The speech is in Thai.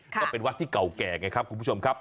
ก็เป็นวัดที่เก่าแก่ไงครับคุณผู้ชมครับ